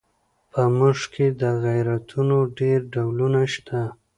په موږ کې د غیرتونو ډېر ډولونه شته.